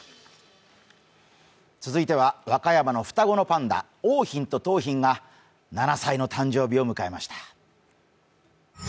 続いては和歌山の双子のパンダ桜浜と桃浜が７歳の誕生日を迎えました。